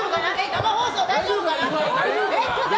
生放送、大丈夫かな？